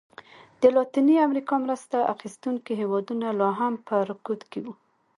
د لاتینې امریکا مرسته اخیستونکي هېوادونه لا هم په رکود کې وو.